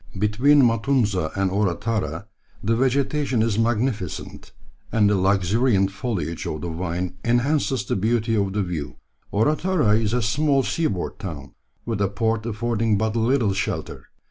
Between Matunza and Orotara the vegetation is magnificent, and the luxuriant foliage of the vine enhances the beauty of the view. Orotara is a small seaboard town, with a port affording but little shelter.